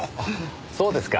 そうですか。